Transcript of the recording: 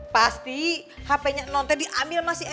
pasti hpnya non teh diambil masih ada